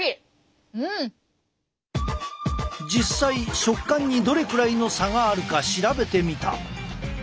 実際食感にどれくらいの差があるか調べてみた。